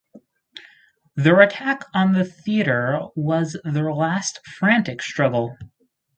Their attack on the theatre was their last frantic struggle.